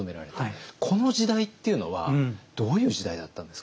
この時代っていうのはどういう時代だったんですか？